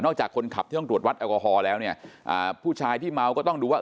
จากคนขับที่ต้องตรวจวัดแอลกอฮอลแล้วเนี่ยผู้ชายที่เมาก็ต้องดูว่า